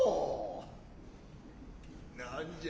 何じゃ。